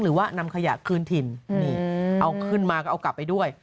หรือว่านำขยะคืนถิ่นนี่เอาขึ้นมาก็เอากลับไปด้วย